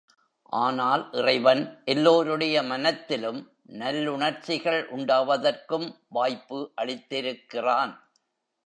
ஆனால் இறைவன் எல்லோருடைய மனத்திலும் நல்லுணர்ச்சிகள் உண்டாவதற்கும் வாய்ப்பு அளித்திருக்கிறான்.